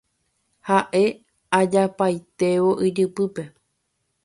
ha'e ajapaitévo ijypýpe